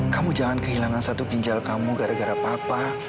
kamu jangan kehilangan satu ginjal kamu gara gara papa